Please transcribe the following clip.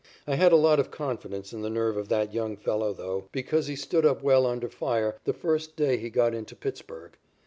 I had a lot of confidence in the nerve of that young fellow though, because he stood up well under fire the first day he got into Pittsburg.